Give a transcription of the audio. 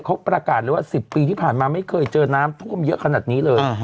เขาประกาศเลยว่า๑๐ปีที่ผ่านมาไม่เคยเจอน้ำท่วมเยอะขนาดนี้เลย